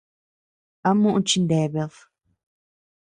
¿A muʼu chineabed?